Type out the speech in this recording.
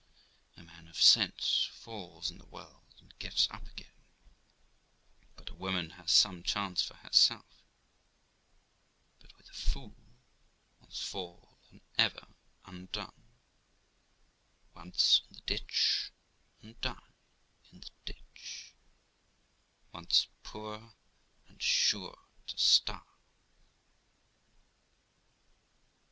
A man of sense falls in the world and gets up again, and a woman has some chance for herself; but with a fool, once fall, and ever undone; once in the ditch, and die in the ditch; once poor, and sure to starve.